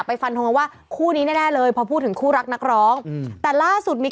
ฟันทงกันว่าคู่นี้แน่แน่เลยพอพูดถึงคู่รักนักร้องอืมแต่ล่าสุดมี